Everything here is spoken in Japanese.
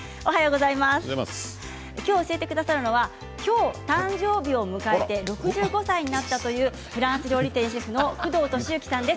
今日、教えてくださるのは今日お誕生日を迎えて６５歳になったというフランス料理店シェフの工藤敏之さんです。